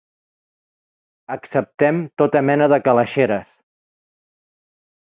Acceptem tota mena de calaixeres.